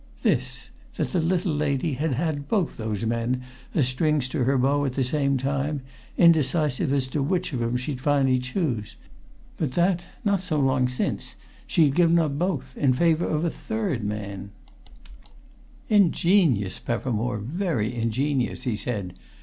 This that the little lady had had both those men as strings to her bow at the same time, indecisive as to which of 'em she'd finally choose, but that, not so long since, she'd given up both, in favour of a third man!" Brent started, and laughed. "Ingenious, Peppermore, very ingenious!" he said.